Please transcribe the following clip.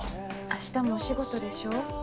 明日もお仕事でしょ？